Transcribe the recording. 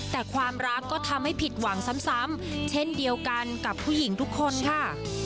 แต่ความรักก็ทำให้ผิดหวังซ้ำเช่นเดียวกันกับผู้หญิงทุกคนค่ะ